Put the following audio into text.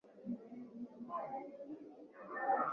uanze na alama ya kujumlisha mbili tano tano saba